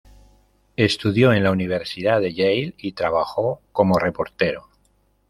Estudió en la Universidad Yale y trabajó como reportero.